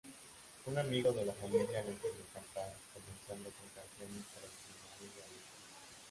Un amigo de la familia le enseñó a cantar, comenzando con canciones tradicionales galesas.